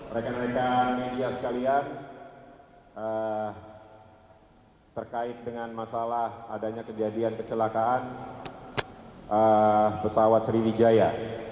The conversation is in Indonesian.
rekan rekan media sekalian terkait dengan masalah adanya kejadian kecelakaan pesawat sriwijaya